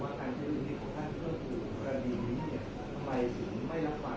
มีทั้งหมดตอนที่พนักงานสอบสนุกแก้คำแรกยังไง